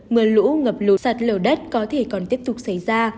mưa lũ ngập lụt sạt lở đất có thể còn tiếp tục xảy ra